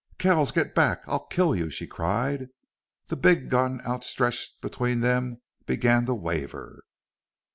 "Kells, get back! I'll kill you!" she cried. The big gun, outstretched between them, began to waver.